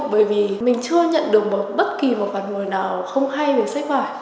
bởi vì mình chưa nhận được bất kỳ một phần người nào không hay về sách vải